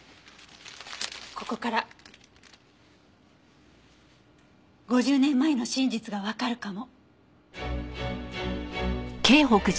ここから５０年前の真実がわかるかも。